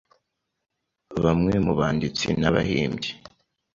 Bamwe mubanditsi na bahimbyi